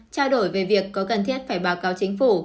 trao đổi về việc có cần thiết phải báo cáo chính phủ